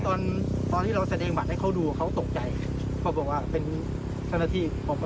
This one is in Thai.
ตอนที่เราเสดงบัตรให้เขาดูเขาตกใจ